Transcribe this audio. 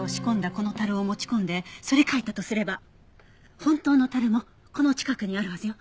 この樽を持ち込んですり替えたとすれば本当の樽もこの近くにあるはずよ。